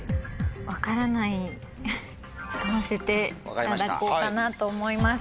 使わせていただこうかなと思います。